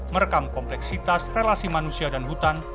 merekam kompleksitas relasi manusia dan hutan